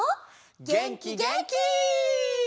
げんきげんき！